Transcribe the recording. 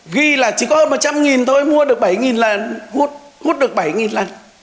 ghi là chỉ có hơn một trăm linh tôi mua được bảy lần hút được bảy lần